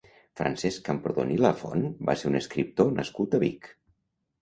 Francesc Camprodon i Lafont va ser un escriptor nascut a Vic.